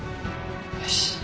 よし。